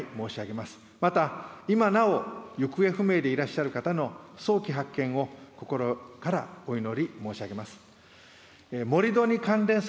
また、今なお行方不明でいらっしゃる方の早期発見を心からお祈り申し上げます。